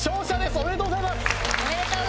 おめでとうございます！